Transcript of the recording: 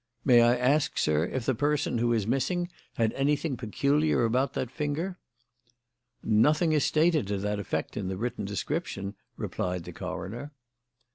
May I ask, sir, if the person who is missing had anything peculiar about that finger?" "Nothing is stated to that effect in the written description," replied the coroner.